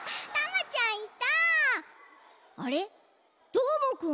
どーもくん？